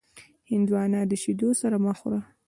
هندوانه د شیدو سره مه خوره.